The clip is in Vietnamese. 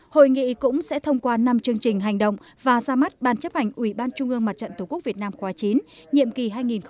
hội nghị cũng sẽ thông qua năm chương trình hành động và ra mắt ban chấp hành ủy ban trung ương mặt trận tổ quốc việt nam khóa chín nhiệm kỳ hai nghìn một mươi chín hai nghìn hai mươi bốn